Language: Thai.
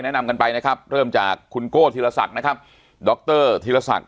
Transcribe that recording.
แนะนำกันไปนะครับเริ่มจากคุณก้อธิรษัทนะครับดรธิรษัท